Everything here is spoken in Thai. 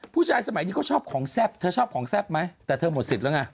สมัยนี้เขาชอบของแซ่บเธอชอบของแซ่บไหมแต่เธอหมดสิทธิ์แล้วไง